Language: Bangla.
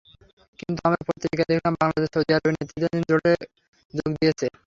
কিন্তু আমরা পত্রিকায় দেখলাম বাংলাদেশ সৌদি আরবের নেতৃত্বাধীন জোটে যোগ দিয়েছে।